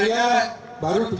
jero mangku pusat